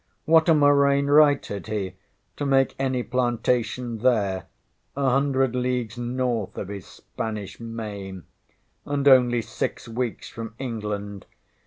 What a murrain right had he to make any plantation there, a hundred leagues north of his Spanish Main, and only six weeks from England?